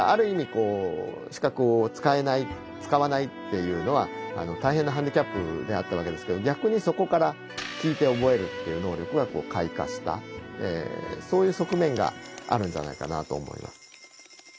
こう視覚を使えない使わないっていうのは大変なハンディキャップであったわけですけど逆にそこからそういう側面があるんじゃないかなと思います。